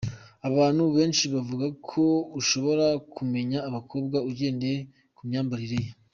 Abantu benshi bavuga ko ushobora kumenya umukobwa ugendeye k’umyambarire ye.